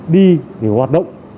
đi để hoạt động